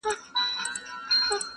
له مکتبه له مُلا يې ستنولم.!